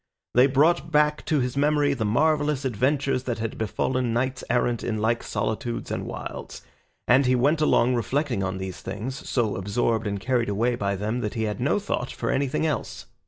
They brought back to his memory the marvellous adventures that had befallen knights errant in like solitudes and wilds, and he went along reflecting on these things, so absorbed and carried away by them that he had no thought for anything else.